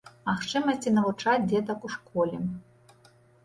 Магчымасці навучаць дзетак у школе.